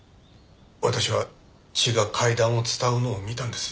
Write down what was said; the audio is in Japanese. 私は血が階段を伝うのを見たんです。